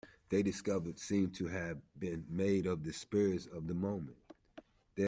The discovery seemed to have been made on the spur of the moment.